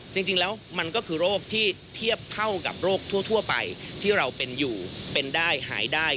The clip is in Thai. จริงแล้วมันก็คือโรคที่เทียบเท่ากับโรคทั่วไปที่เราเป็นอยู่เป็นได้หายได้